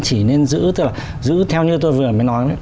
chỉ nên giữ theo như tôi vừa mới nói